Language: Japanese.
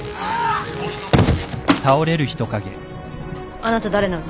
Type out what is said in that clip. ・・あなた誰なの？